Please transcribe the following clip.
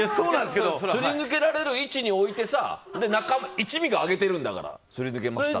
すり抜けられる位置に置いてさ一味が上げてるんだからさ。